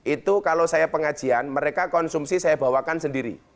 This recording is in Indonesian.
itu kalau saya pengajian mereka konsumsi saya bawakan sendiri